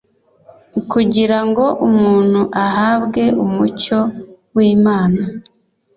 kugira ngo umuntu ahabwe umucyo w'Imana.